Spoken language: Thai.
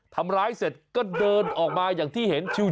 ทำร้ายเสร็จก็เดินออกมาอย่างที่เห็น